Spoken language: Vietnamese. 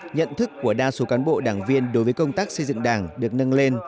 nhận thức của đa số cán bộ đảng viên đối với công tác xây dựng đảng được nâng lên